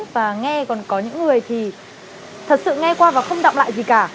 và nghe còn có những người thì thật sự nghe qua và không động lại gì cả